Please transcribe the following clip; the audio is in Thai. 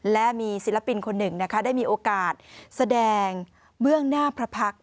และมีศิลปินคนหนึ่งนะคะได้มีโอกาสแสดงเบื้องหน้าพระพักษ